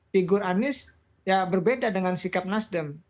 figur anies ya berbeda dengan sikap nasdem